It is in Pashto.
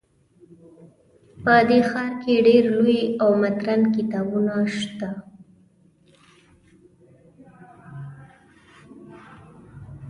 په دې ښار کې ډیر لوی او مدرن کتابتونونه شته